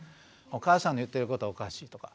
お母さんの言ってることおかしいとか。